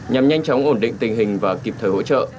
nhằm nhanh chóng ổn định tình hình và kịp thời hỗ trợ